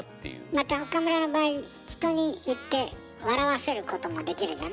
また岡村の場合人に言って笑わせることもできるじゃない？